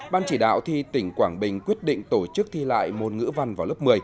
ban chỉ đạo thi tỉnh quảng bình quyết định tổ chức thi lại môn ngữ văn vào lớp một mươi